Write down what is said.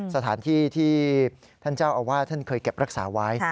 สถานที่ที่ท่านเจ้าอาวาสท่านเคยเก็บรักษาไว้